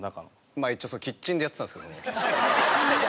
まあ一応キッチンでやってたんですけど。